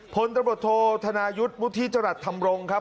พลตำรวจโทษธนายุทธ์วุฒิจรัสธรรมรงค์ครับ